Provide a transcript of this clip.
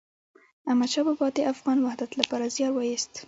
احمد شاه بابا د افغان وحدت لپاره زیار وایست.